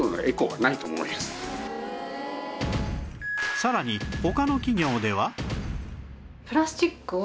さらに他の企業では